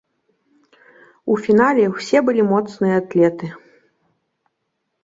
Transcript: У фінале ўсе былі моцныя атлеты.